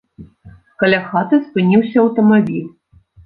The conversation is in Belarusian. Каля хаты спыніўся аўтамабіль.